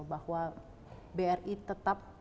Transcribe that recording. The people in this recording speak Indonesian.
bahwa bri tetap